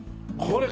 これ。